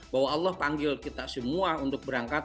bahwa allah panggil kita semua untuk berangkat